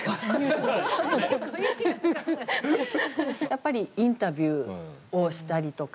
やっぱりインタビューをしたりとか。